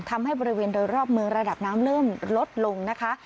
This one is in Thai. ทำให้บริเวณโดยรอบเมืองระดับน้ำเริ่มลดลงนะคะ